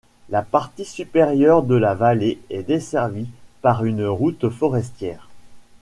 La partie supérieure de la vallée est desservie par une route forestière.